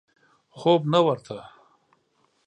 خوب نه ورته.